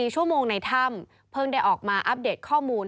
๔ชั่วโมงในถ้ำเพิ่งได้ออกมาอัปเดตข้อมูล